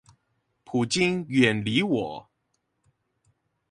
普京遠離我